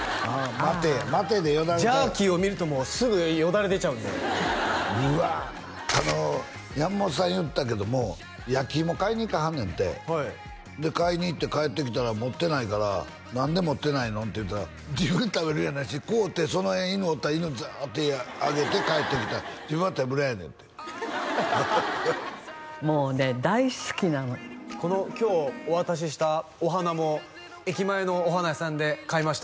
「待て」や「待て」でよだれジャーキーを見るともうすぐよだれ出ちゃうんであの山本さん言うてたけども焼き芋買いに行かはんねんてはい買いに行って帰ってきたら持ってないから何で持ってないの？って言ったら自分食べるんやなしに買うてその辺犬おったら犬にずっとあげて帰ってきた自分は手ぶらやねんてもうね大好きなのこの今日お渡ししたお花も駅前のお花屋さんで買いました